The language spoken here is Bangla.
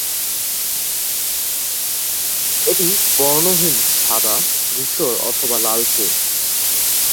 এটি বর্ণহীন, সাদা, ধূসর অথবা লালচে।